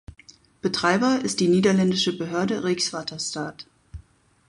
Betreiber ist die niederländische Behörde Rijkswaterstaat.